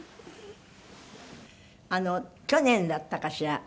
去年だったかしら？